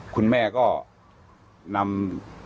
คุณแม่ก็นำ